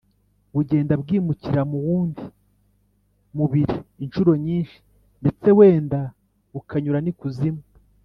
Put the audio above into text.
bugenda bwimukira mu wundi mubiri incuro nyinshi ndetse wenda bukanyura n’ikuzimu.